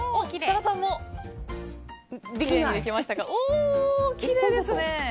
きれいですね。